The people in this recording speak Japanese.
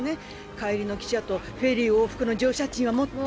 帰りの汽車とフェリー往復の乗車賃は持った？